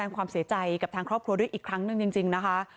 ผมต้องขอแสขวัมเสียใจกับครอบครัวด้วยอีกครั้งหนึ่งจริงนะคะ